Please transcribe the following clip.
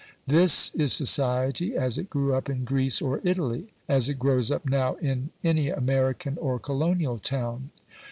This is society as it grew up in Greece or Italy, as it grows up now in any American or colonial town.